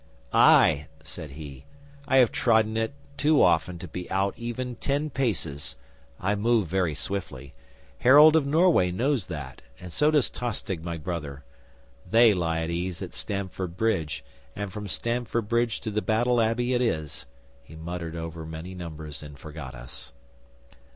'"Ay," said he. "I have trodden it too often to be out even ten paces. I move very swiftly. Harold of Norway knows that, and so does Tostig my brother. They lie at ease at Stamford Bridge, and from Stamford Bridge to the Battle Abbey it is " he muttered over many numbers and forgot us.